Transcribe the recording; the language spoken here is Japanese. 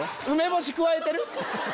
梅干しくわえてる？